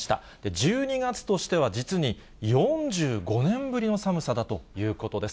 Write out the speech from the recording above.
１２月としては実に４５年ぶりの寒さだということです。